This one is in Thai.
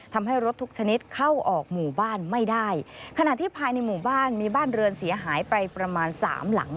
ทำให้รถทุกชนิดเข้าออกหมู่บ้านไม่ได้ขณะที่ภายในหมู่บ้านมีบ้านเรือนเสียหายไปประมาณสามหลัง